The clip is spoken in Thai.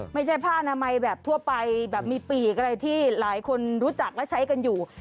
ไม่ใช่ผ้านามัยแบบทั่วไปแบบมีปีกอะไรที่หลายคนรู้จักและใช้กันอยู่